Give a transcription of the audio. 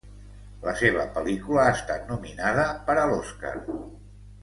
La seva pel·lícula ha estat nominada per a l'Oscar.